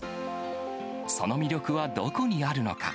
その魅力はどこにあるのか。